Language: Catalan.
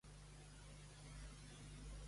Glenbervie té dues andanes laterals.